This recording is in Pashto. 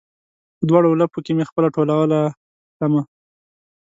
په دواړ ولپو کې مې خپله ټولوله تلمه